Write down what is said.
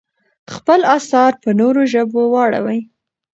خپل اثار په نورو ژبو واړوئ.